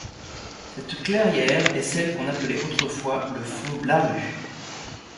Cette clairière est celle qu’on appelait autrefois le fonds Blaru.